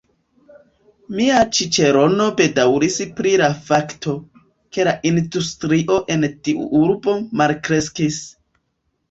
Mia ĉiĉerono bedaŭris pri la fakto, ke la industrio en tiu urbo malkreskis.